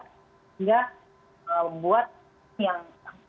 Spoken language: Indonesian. hingga membuat yang